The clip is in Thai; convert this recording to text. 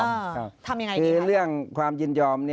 ทำอย่างไรดิคะครับคือเรื่องความยินยอม